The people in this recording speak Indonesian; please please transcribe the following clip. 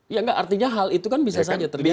ya nggak artinya hal itu kan bisa saja terjadi